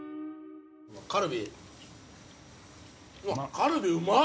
カルビうまっ！